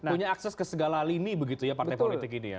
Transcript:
punya akses ke segala lini begitu ya partai politik ini ya